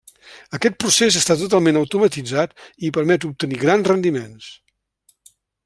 Aquest procés està totalment automatitzat i permet obtenir grans rendiments.